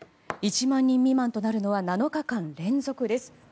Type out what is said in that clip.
１万人未満となるのは７日間連続です。